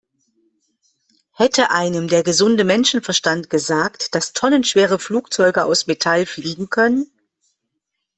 Hätte einem der gesunde Menschenverstand gesagt, dass tonnenschwere Flugzeuge aus Metall fliegen können?